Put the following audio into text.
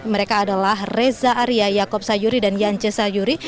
mereka adalah reza arya yaakob sayuri dan yance sayuri